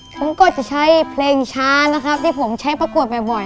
ผมก็จะใช้เพลงช้านะครับที่ผมใช้ประกวดบ่อย